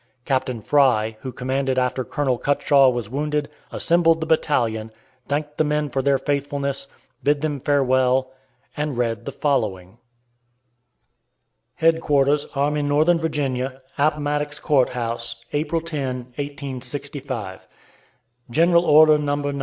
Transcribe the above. Captain Fry, who commanded after Colonel Cutshaw was wounded, assembled the battalion, thanked the men for their faithfulness, bid them farewell, and read the following: HEADQUARTERS ARMY NORTHERN VIRGINIA, APPOMATTOX COURT HOUSE, April 10, 1865. GENERAL ORDER NO. 9.